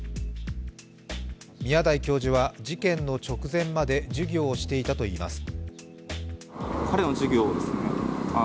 宮台教授は事件の直前まで授業をしていたといいます。